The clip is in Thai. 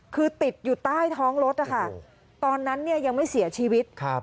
คือติดอยู่ใต้ท้องรถนะคะตอนนั้นเนี่ยยังไม่เสียชีวิต